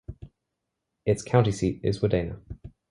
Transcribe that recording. Its county seat is Wadena.